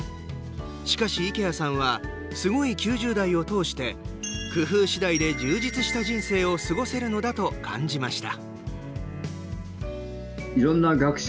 しかし池谷さんは「すごい９０代」を通して工夫次第で充実した人生を過ごせるのだと感じました。